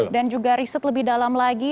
juga riset lebih dalam lagi